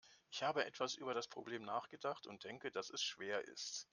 Ich habe etwas über das Problem nachgedacht und denke, dass es schwer ist.